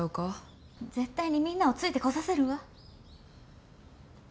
絶対にみんなをついてこさせるわ。